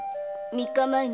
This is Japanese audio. ３日前に？